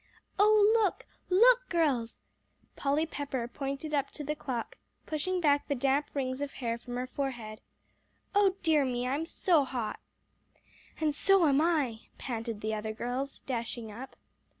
"Oh, look look, girls." Polly Pepper pointed up to the clock, pushing back the damp rings of hair from her forehead. "Oh dear me I'm so hot!" "And so am I," panted the other girls, dashing up.